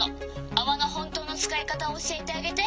あわのほんとうのつかいかたをおしえてあげて」。